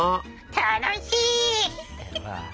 楽しい！